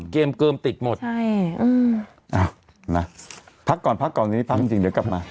เกมเกวมติดหมดใช่อืมอ่าน่ะพักก่อนพักก่อนกนี้นี่ตัดจริงเดี๋ยวกลับมา